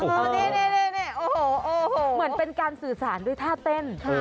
นี่มันเป็นการสื่อสารด้วยท่าเต้น